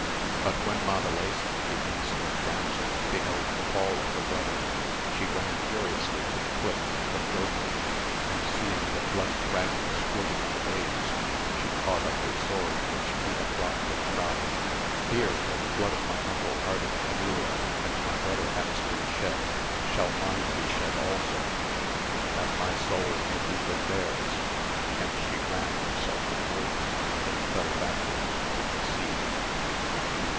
But when Matalesa the Insolent Damsel beheld the fall of her brother, she ran furiously to the cliff and looked over, and seeing the bloody fragments floating on the waves, she caught up his sword which he had dropt and cried. Here, where the blood of my uncle Ardan Canileo and my brother has been shed, shall mine be shed also, that my soul may be with theirs ; and she ran herself through, and fell backward into the sea.